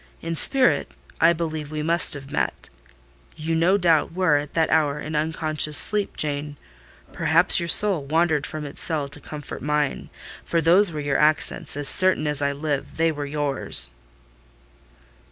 In spirit, I believe we must have met. You no doubt were, at that hour, in unconscious sleep, Jane: perhaps your soul wandered from its cell to comfort mine; for those were your accents—as certain as I live—they were yours!"